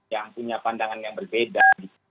yang punya pandangan yang berbeda